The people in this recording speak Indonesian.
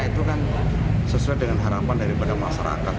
itu kan sesuai dengan harapan daripada masyarakat